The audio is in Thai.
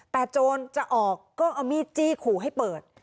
แต่โจรจะออกก็เอามีดจี้ขู่ให้เปิด